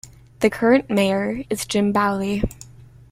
The current mayor is Jim Bouley.